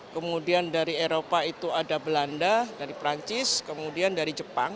kemudian dari eropa itu ada belanda dari perancis kemudian dari jepang